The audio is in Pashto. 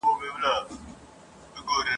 په ګرداب کی ستاسي کلی د پلار ګور دی !.